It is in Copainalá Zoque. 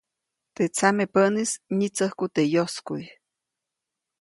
Teʼ tsamepäʼnis nyitsäjku teʼ yoskuʼy.